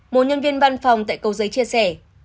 một nhân viên văn phòng tại cầu giấy chia sẻ